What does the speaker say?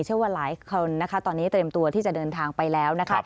เชื่อว่าหลายคนนะคะตอนนี้เตรียมตัวที่จะเดินทางไปแล้วนะคะ